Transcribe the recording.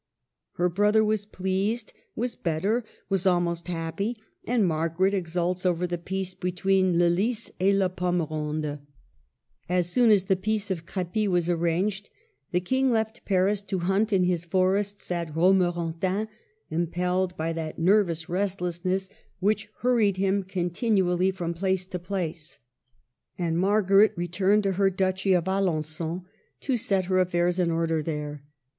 Her brother was pleased, was better, was almost happy, and Margaret exults over the peace between *' le lys et la pomme ronde." THE '' heptameron:' 203 As soon as the peace of Crepy was arranged, the King left Paris to hunt in his forests at Romorantin, impelled by that nervous restless ness which hurried him continually from place to place, and Margaret returned to her Duchy of Alengon, to set her affairs in order there.